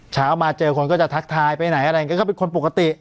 เช้ามาเจอคนก็จะทักทายไปไหนอะไรอย่างนี้ก็เป็นคนปกติ